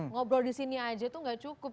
ngobrol di sini aja tuh gak cukup